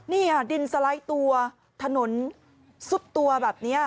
นี่ค่ะดินสไลด์ตัวถนนซุดตัวแบบนี้